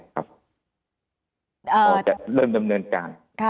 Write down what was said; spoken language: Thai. พอจะเริ่มดำเนินการ